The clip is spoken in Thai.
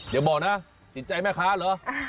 เดี๋ยวบอกนะติดใจแม่ค้าเหรอ